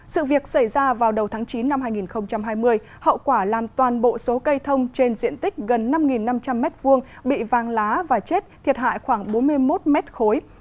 sự việc xảy ra vào đầu tháng chín năm hai nghìn hai mươi hậu quả làm toàn bộ số cây thông trên diện tích gần năm năm trăm linh m hai bị vang lá và chết thiệt hại khoảng bốn mươi một mét khối